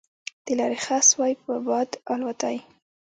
د لارې خس وای په باد الوتای